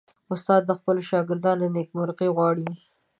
استاد د خپلو شاګردانو نیکمرغي غواړي.